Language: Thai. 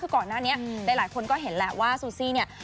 คือก่อนหน้านี้หลายคนก็เห็นแหละว่าซูซี่เนี่ย